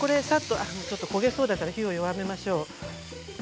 ちょっと焦げそうだから火を弱めましょう。